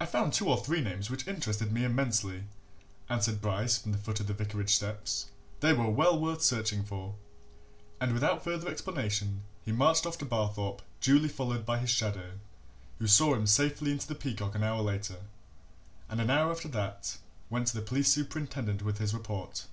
"I found two or three names which interested me immensely," answered Bryce from the foot of the vicarage steps. "They were well worth searching for." And without further explanation he marched off to Barthorpe duly followed by his shadow, who saw him safely into the Peacock an hour later and, an hour after that, went to the police superintendent with his report.